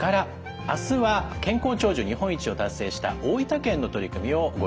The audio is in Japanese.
あすは健康長寿日本一を達成した大分県の取り組みをご紹介します。